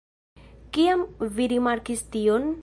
Kiam vi rimarkis tion?